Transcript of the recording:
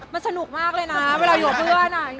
มันสนุกมากเลยนะเวลาอยู่กับเพื่อน